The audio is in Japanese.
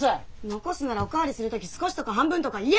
残すならお代わりする時少しとか半分とか言え！